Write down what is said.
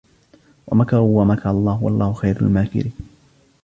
ومكروا ومكر الله والله خير الماكرين